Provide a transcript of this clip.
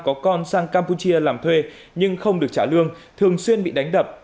có con sang campuchia làm thuê nhưng không được trả lương thường xuyên bị đánh đập